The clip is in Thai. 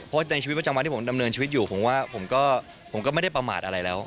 เพราะในชีวิตประจำวันที่ผมดำเนินชีวิตอยู่ผมว่าผมก็ไม่ได้ประมาทอะไรแล้ว